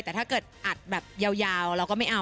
แต่ถ้าเกิดอัดแบบยาวเราก็ไม่เอา